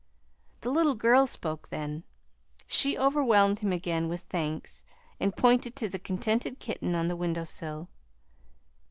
The little girl spoke then. She overwhelmed him again with thanks, and pointed to the contented kitten on the window sill.